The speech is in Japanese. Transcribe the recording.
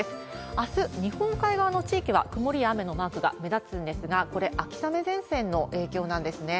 あす、日本海側の地域は曇りや雨のマークが目立つんですが、これ、秋雨前線の影響なんですね。